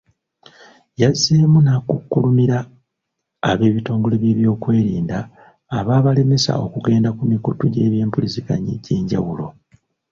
Yazzeemu n'akukkulumira ab’ebitongole by’ebyokwerinda ababalemesa okugenda ku mikutu gy’ebyempuliziganya egy’enjawulo.